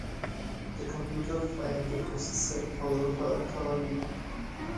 د کمپیوټر فین د پروسیسر تودوخه کموي.